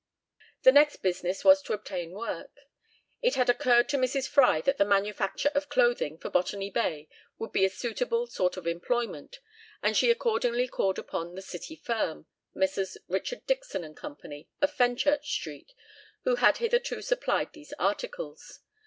The next business was to obtain work. It had occurred to Mrs. Fry that the manufacture of clothing for Botany Bay would be a suitable sort of employment, and she accordingly called upon the city firm, Messrs. Richard Dixon and Co., of Fenchurch Street, who had hitherto supplied these articles.